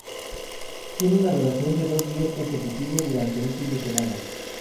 Tiene una duración de dos días consecutivos durante un fin de semana.